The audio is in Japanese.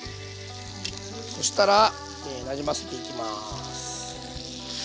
そしたらなじませていきます。